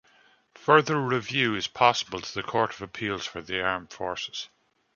Further review is possible to the Court of Appeals for the Armed Forces.